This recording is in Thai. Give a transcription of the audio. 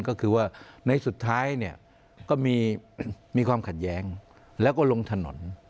ก็คือว่าในสุดท้ายเนี่ยก็มีความขัดแย้งแล้วก็ลงถนน